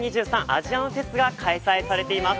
アジアンフェスが開催されています。